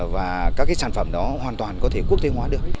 và các cái sản phẩm đó hoàn toàn có thể quốc tế hóa được